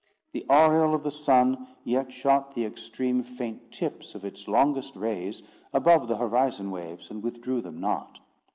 The aureole of the sun yet shot the extreme faint tips of its longest rays above the horizon waves, and withdrew them not.